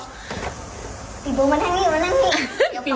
ชิคกี้พายมาทางนี่ชิคกี้พายมาทางนี่